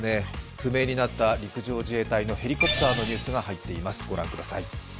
不明になった陸上自衛隊のヘリコプターのニュースが入ってきています。